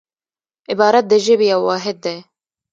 عبارت د ژبي یو واحد دئ.